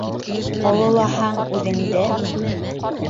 Ололаһаң үҙеңде